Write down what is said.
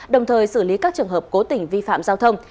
đồng thời xử lý các trường hợp cố tình vi phạm giao thông